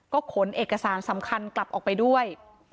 ก็ขนเอกสารสำคัญกลับออกไปด้วย